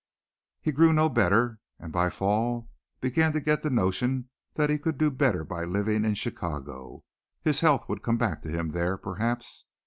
He grew no better and by fall began to get the notion that he could do better by living in Chicago. His health would come back to him there perhaps.